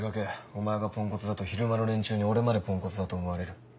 お前がポンコツだと昼間の連中に俺までポンコツだと思われる。